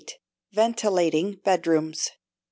2448. Ventilating Bedrooms.